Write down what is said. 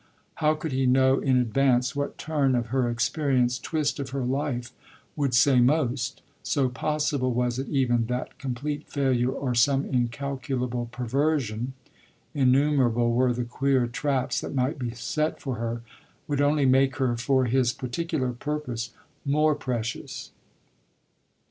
How could he know in advance what turn of her experience, twist of her life, would say most? so possible was it even that complete failure or some incalculable perversion (innumerable were the queer traps that might be set for her) would only make her for his particular purpose more precious.